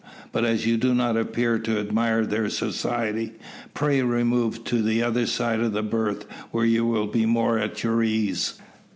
"But as you do not appear to admire their society, pray remove to the other side of the berth, where you will be more at your ease."